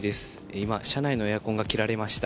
今車内のエアコンが切られました。